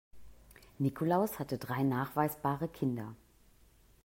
Nikolaus hatte drei nachweisbare Kinder.